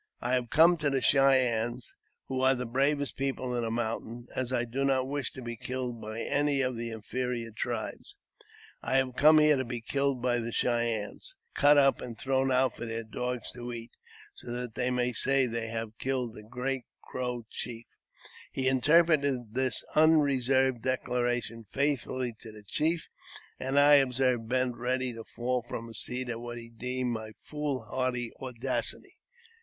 I have come to the Cheyennes, who are the bravest people in the mountains, as I do not wish to be killed by any of the inferior tribes. I have come here to be killed by the Cheyennes, cut up, and thrown out for their dogs to eat, so that they may say that they have killed a great Crow chief." He interpreted this unreserved declaration faithfully to the chief, and I observed Bent ready to fall from his seat at what he deemed my foolhardy audacity.